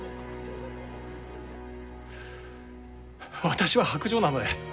私は薄情なので。